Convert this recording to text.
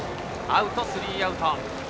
アウト、スリーアウト。